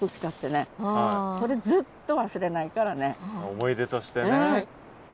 思い出としてね。